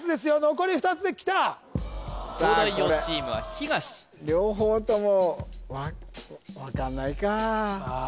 残り２つできた東大王チームは東両方とも分かんないかああ